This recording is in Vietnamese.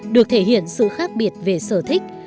được thể hiện sự khác biệt về sở thích